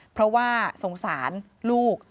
เพราะว่าสงสารลูก